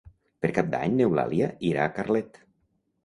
Per Cap d'Any n'Eulàlia irà a Carlet.